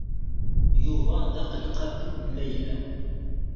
Yuba d aqelqabu n Layla.